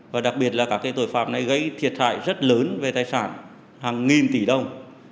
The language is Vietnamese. và đặc biệt là các tội phạm này gây thiệt hại rất lớn về tài sản hàng nghìn tỷ đồng